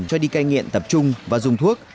cây nghiện tập trung và dùng thuốc